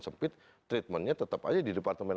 sempit treatmentnya tetap aja di departemen